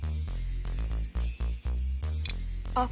あっ！